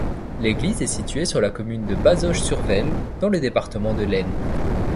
L'église est située sur la commune de Bazoches-sur-Vesles, dans le département de l'Aisne.